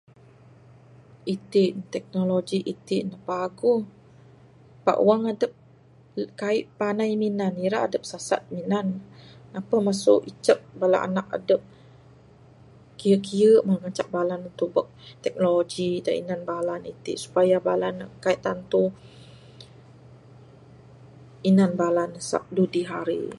Itin ne teknologi itin ne paguh pak wang adep kaik panai minan ne ira adep sasat minan ne napeh masu icek anak adep kiye kiye mah ngancak bala ne tubek teknologi da inan bala ne itin supaya ne kaik tantu inan bala ne sab dudi hari.